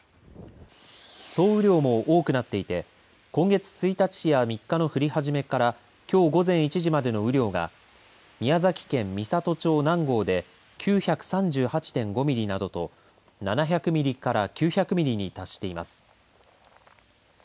総雨量も多くなっていて今月１日や３日の降り始めからきょう午前１時までの雨量が宮崎県美郷町南郷で９３８．５ミリなどと７００ミリから９００ミリに達しています。